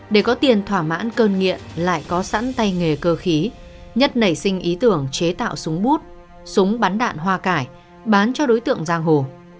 để có tiền thỏa mãn cơn nghiện lại có sẵn tay nghề cơ khí nhất nảy sinh ý tưởng chế tạo súng bút súng bắn đạn hoa cải bán cho đối tượng giang hồ